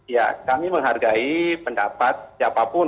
ya kami menghargai pendapat siapapun